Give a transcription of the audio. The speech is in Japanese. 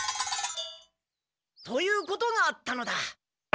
ということがあったのだ。